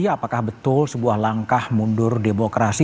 apakah betul sebuah langkah mundur demokrasi